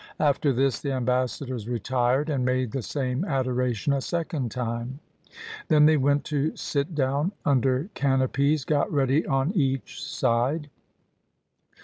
After this, the ambassadors retired and made the same adoration a second time ; then they went to sit down under canopies got ready on each side.